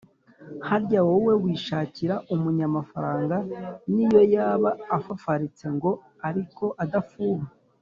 harya wowe wishakira umunyamafaranga niyo yaba afafaritse ngo ariko adafuha